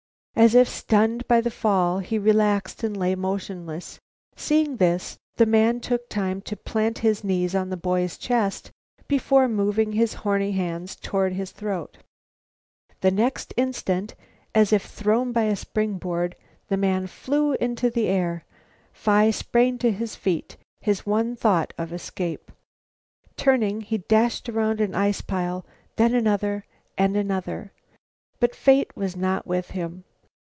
As if stunned by the fall, he relaxed and lay motionless. Seeing this, the man took time to plant his knees on the boy's chest before moving his horny hands toward his throat. The next instant, as if thrown by a springboard, the man flew into the air. Phi sprang to his feet, his one thought of escape. Turning, he dashed around an ice pile, then another and another. But fate was not with him.